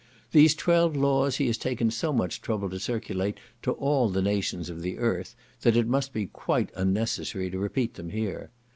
These twelve laws he has taken so much trouble to circulate to all the nations of the earth, that it must be quite unnecessary to repeat them here.